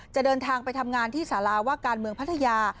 เดินทางไปทำงานที่สาราว่าการเมืองพัทยา